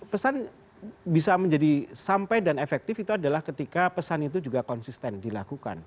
pesan bisa menjadi sampai dan efektif itu adalah ketika pesan itu juga konsisten dilakukan